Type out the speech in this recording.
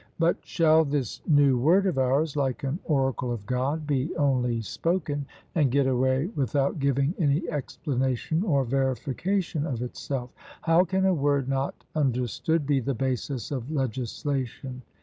But shall this new word of ours, like an oracle of God, be only spoken, and get away without giving any explanation or verification of itself? How can a word not understood be the basis of legislation?